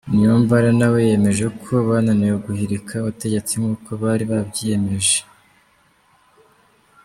Niyombare nawe yemeje ko bananiwe guhirika ubutegetsi nkuko bari babyiyemeje.